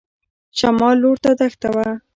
شمال لور ته دښته وه.